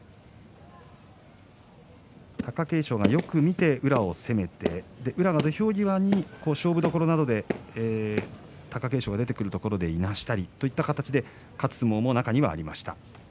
貴景勝がよく見て宇良を攻めて宇良が土俵際貴景勝が出てくるところいなしたりという相撲で勝つ相撲もありました。